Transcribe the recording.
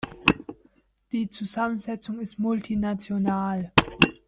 Die Zusammensetzung ist multinational.